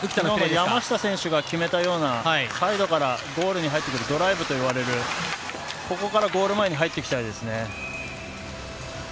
昨日、山下選手が決めたようなサイドからゴールに入ってくるドライブといわれる、ここからゴール前に入ってきたいですね。